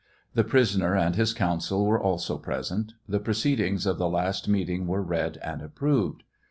The prisoner and his counsel were also present. The proceedings of theli meeting were read and approved.